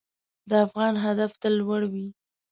د افغان هدف تل لوړ وي.